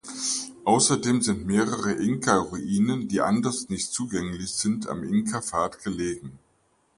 Außerdem sind mehrere Inka-Ruinen, die anders nicht zugänglich sind, am Inka-Pfad gelegen.